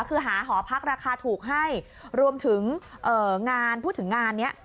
คือหาหอพักราคาถูกให้รวมถึงงานพูดถึงงานเนี้ย